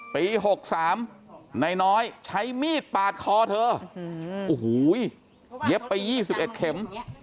ปี๖๓นายน้อยใช้มีดปาดคอเธอโอ้โหเย็บไป๒๑เข็ม